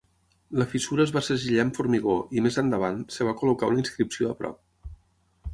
La fissura es va segellar amb formigó i, més endavant, es va col·locar una inscripció a prop.